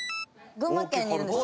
群馬県にいるんですよ。